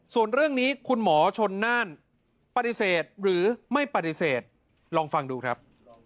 ส่วนเรื่องนี้คุณหมอชนน่านปฏิเสธหรือไม่ปฏิเสธลองฟังดูครับ